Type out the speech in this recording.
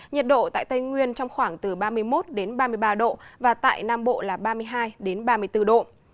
nhiệt độ tại tây nguyên trong khoảng từ ba mươi một ba mươi ba độ và tại nam bộ là ba mươi hai ba mươi bốn độ